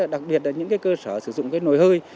đặc biệt là những cơ sở sử dụng cái nồi hơi